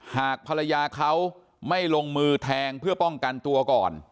หากภรรยาเขาไม่ลงมือแทงเพื่อป้องกันตัวก่อน